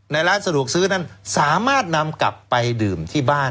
ร้านสะดวกซื้อนั้นสามารถนำกลับไปดื่มที่บ้าน